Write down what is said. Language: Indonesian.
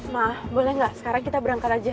ma boleh nggak sekarang kita berangkat aja